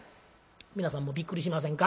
皆さんもびっくりしませんか？